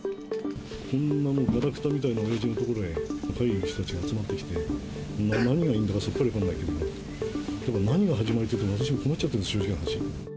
こんながらくたみたいな親父の所へ、若い人たちが集まってきて、何がいいんだか、さっぱり分からないけど、何が始まりかといわれても、困っちゃってるの、正直な話。